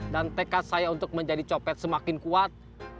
dan tekad saya untuk menjadi copet semakin kuat